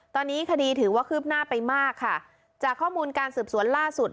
ตอนนี้คดีถือว่าคืบหน้าไปมากค่ะจากข้อมูลการสืบสวนล่าสุด